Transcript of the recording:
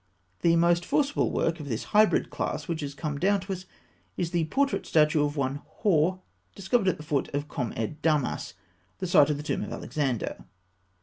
] The most forcible work of this hybrid class which has come down to us is the portrait statue of one Hor (fig. 208), discovered in 1881 at the foot of Kom ed Damas, the site of the tomb of Alexander.